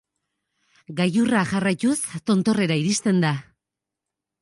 Gailurra jarraituz, tontorrera iristen da.